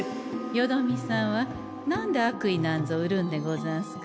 よどみさんはなんで悪意なんぞ売るんでござんすかえ？